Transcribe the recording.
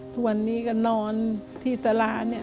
ทุกวันนี้ก็นอนที่ตลาดเนี่ย